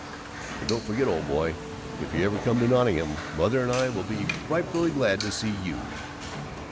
"And don't forget, old boy, if you ever come to Nottingham, Mother and I will be frightfully glad to see you.